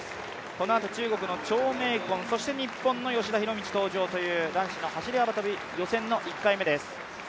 このあと中国の張溟鯤そして日本の吉田弘道登場という男子走幅跳予選の１回目です。